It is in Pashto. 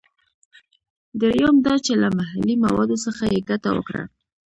دریم دا چې له محلي موادو څخه یې ګټه وکړه.